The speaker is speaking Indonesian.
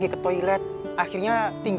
kita bisa entering